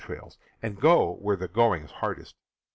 trails, and go where the going is hard est.